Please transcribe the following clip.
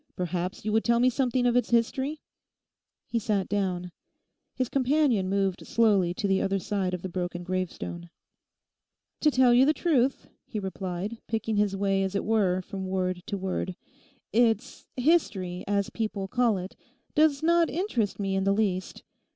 Perhaps you would tell me something of its history?' He sat down. His companion moved slowly to the other side of the broken gravestone. 'To tell you the truth,' he replied, picking his way as it were from word to word, 'it's "history," as people call it, does not interest me in the least.